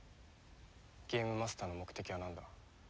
ゲームマスターの目的はなんだ？